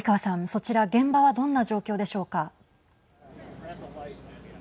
そちら現場は、どんな状況でしょうか。